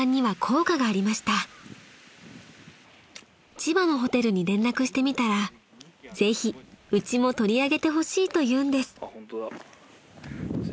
［千葉のホテルに連絡してみたらぜひうちも取り上げてほしいというんです］